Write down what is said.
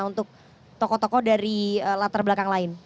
untuk toko toko dari latar belakang lain